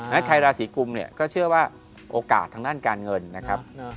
ฉะใครราศีกุมเนี่ยก็เชื่อว่าโอกาสทางด้านการเงินนะครับ